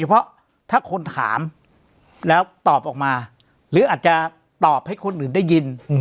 เพราะถ้าคนถามแล้วตอบออกมาหรืออาจจะตอบให้คนอื่นได้ยิน